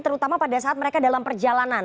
terutama pada saat mereka dalam perjalanan